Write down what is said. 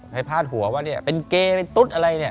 ไปพลาดหัวว่าเป็นเกย์เป็นตุ๊ดอะไร